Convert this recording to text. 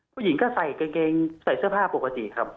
ผู้หญิงก็ใส่กางเกงใส่เสื้อผ้าปกติครับ